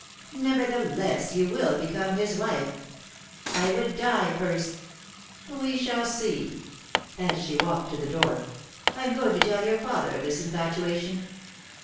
"Nevertheless, you will become his wife." "I would die first." "We shall see," and walked to the door. "I am going to tell your father of this infatuation."